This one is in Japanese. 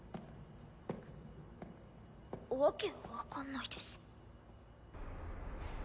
訳分かんないです。